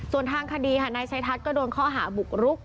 ส่วนทางคดีค่ะนายชัยทัศน์ก็โดนข้อหาบุกรุก